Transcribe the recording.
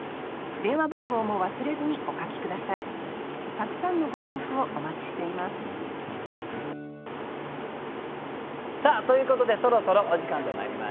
たくさんのご投句をお待ちしていますさあということでそろそろお時間となりました。